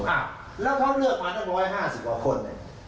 แล้วเขาเลือกมานัก๑๕๐กว่าคน